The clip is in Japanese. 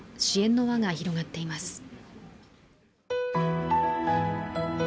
支援の輪が広がっています。